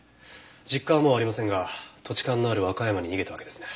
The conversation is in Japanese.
実家はもうありませんが土地勘のある和歌山に逃げたわけですね。